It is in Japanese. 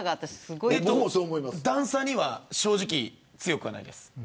段差には正直、強くないです。